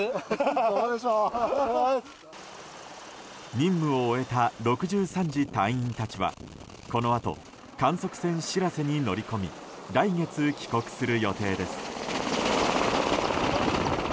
任務を終えた６３次隊員たちはこのあと観測船「しらせ」に乗り込み来月、帰国する予定です。